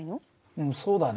うんそうだね。